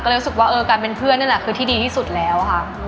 ก็เลยรู้สึกว่าเออการเป็นเพื่อนนั่นแหละคือที่ดีที่สุดแล้วค่ะ